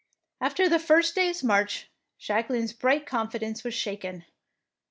After the first day's march Jacque line's bright confidence was shaken.